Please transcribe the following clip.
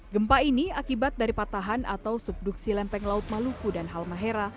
gempa ini akibat dari patahan atau subduksi lempeng laut maluku dan halmahera